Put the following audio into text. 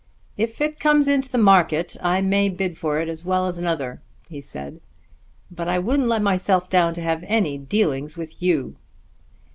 "If it comes into the market, I may bid for it as well as another," he said, "but I wouldn't let myself down to have any dealings with you."